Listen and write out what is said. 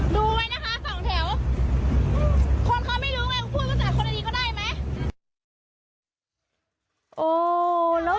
ดูไหมนะคะสองแถว